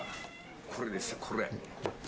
これですよ、これ。